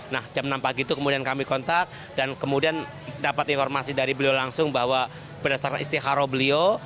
nah jam enam pagi itu kemudian kami kontak dan kemudian dapat informasi dari beliau langsung bahwa berdasarkan istihara beliau